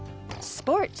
スポーツ。